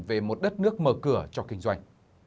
về một đất nước mở cửa cho kinh doanh